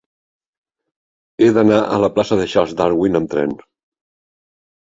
He d'anar a la plaça de Charles Darwin amb tren.